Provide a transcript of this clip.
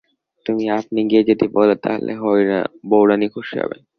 তুমি আপনি গিয়ে যদি বল তা হলে বউরানী খুশি হবেন।